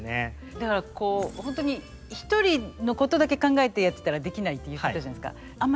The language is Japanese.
だからこう本当に一人のことだけ考えてやってたらできないって言ってたじゃないですか。